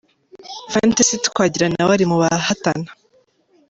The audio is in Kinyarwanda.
Fantacy Twagira nawe ari mu bahatana.